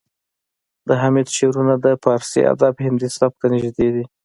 د حمید شعرونه د پارسي ادب هندي سبک ته نږدې دي